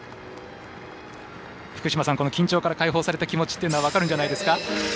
福島さん、緊張から解放された気持ちというのは分かるんじゃないですか？